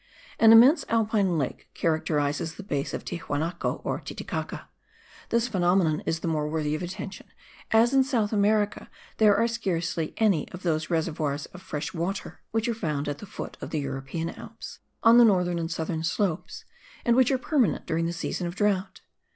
An immense alpine lake characterizes the basin of Tiahuanaco or Titicaca; this phenomenon is the more worthy of attention, as in South America there are scarcely any of those reservoirs of fresh water which are found at the foot of the European Alps, on the northern and southern slopes, and which are permanent during the season of drought.